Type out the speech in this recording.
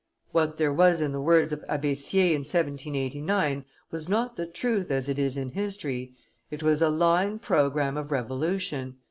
What there was in the words of Abbe Sieyes, in 1789, was not the truth as it is in history; it was a lying programme of revolution.